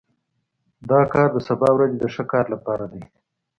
دا کار د سبا ورځې د ښه کار لپاره دی